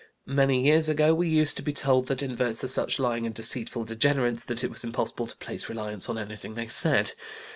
Many years ago we used to be told that inverts are such lying and deceitful degenerates that it was impossible to place reliance on anything they said.